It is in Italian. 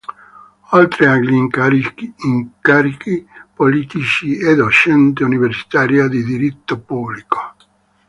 Oltre agli incarichi politici, è docente universitaria di diritto pubblico.